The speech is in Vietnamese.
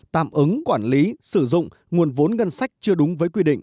tạm ứng quản lý sử dụng nguồn vốn ngân sách chưa đúng với quy định